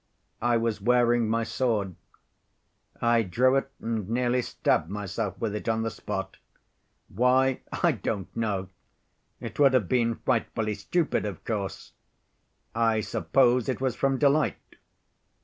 I was wearing my sword. I drew it and nearly stabbed myself with it on the spot; why, I don't know. It would have been frightfully stupid, of course. I suppose it was from delight.